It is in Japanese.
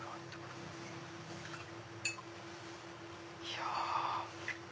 いや。